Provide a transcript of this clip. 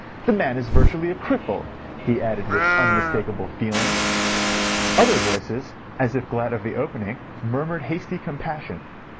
"The man is virtually a cripple," he added with unmistakable feeling. Other voices, as if glad of the opening, murmured hasty compassion.